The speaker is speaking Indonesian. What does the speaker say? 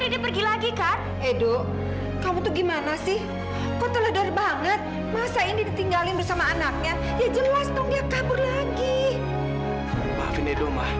apakah ketidakbersamaan kita akan membuat kita seperti ini